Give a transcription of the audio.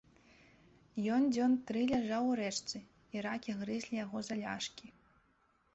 Ён дзён тры ляжаў у рэчцы, і ракі грызлі яго за ляшкі.